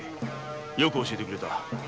よく教えてくれた。